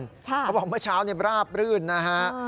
เขาบอกว่าเมื่อเช้านี้ราบรื่นนะฮะ